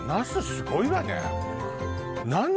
すごいわね